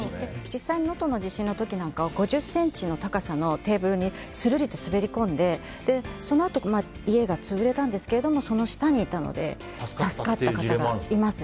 実際に能登の地震の時なんかは５０ｃｍの高さのテーブルにするりと滑り込んでそのあと家が潰れたんですけれどもその下にいたので助かった方がいます。